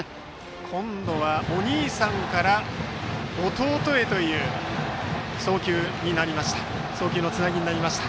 今度はお兄さんから弟へという送球のつなぎになりました。